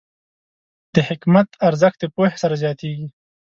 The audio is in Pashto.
د حکمت ارزښت د پوهې سره زیاتېږي.